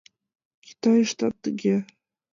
Китайыштат тыге